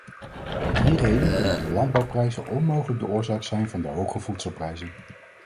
Om die reden kunnen de landbouwprijzen onmogelijk de oorzaak zijn van de hoge voedselprijzen!